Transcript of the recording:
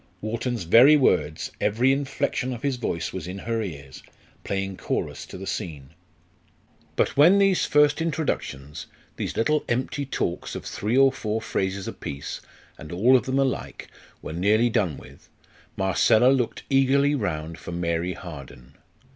Wharton's very words, every inflection of his voice was in her ears, playing chorus to the scene. But when these first introductions, these little empty talks of three or four phrases apiece, and all of them alike, were nearly done with, Marcella looked eagerly round for Mary Harden.